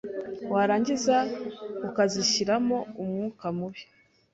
wqarangiza ukazishyiramo umwuka mubi